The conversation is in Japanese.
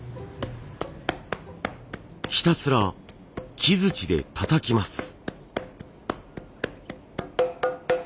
ひたすら木づちでたたきます。